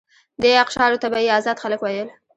دې اقشارو ته به یې آزاد خلک ویل.